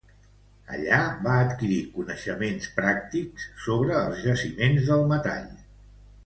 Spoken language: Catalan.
Allí va adquirir coneixements pràctics sobre els jaciments del metall.